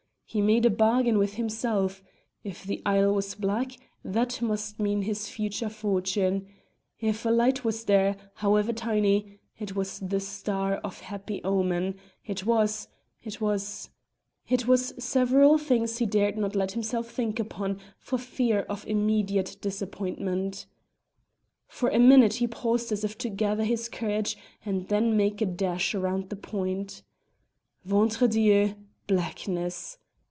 He made a bargain with himself: if the isle was black, that must mean his future fortune; if a light was there, however tiny, it was the star of happy omen, it was it was it was several things he dared not let himself think upon for fear of immediate disappointment. For a minute he paused as if to gather his courage and then make a dash round the point. Ventre Dieu! Blackness!